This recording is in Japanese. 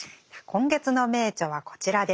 今月の名著はこちらです。